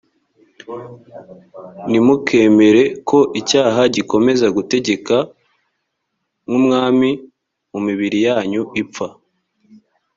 ntimukemere ko icyaha gikomeza gutegeka nk umwami mu mibiri yanyu ipfa